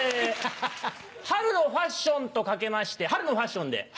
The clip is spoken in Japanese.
春のファッションと掛けまして「春のファッション」で。